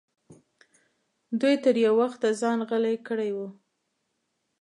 دوی تر یو وخته ځان غلی کړی و.